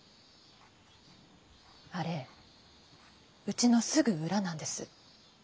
あれうちのすぐ裏なんです。